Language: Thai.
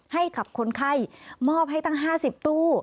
ขับคนไข้มอบให้ตั้ง๕๐ตู้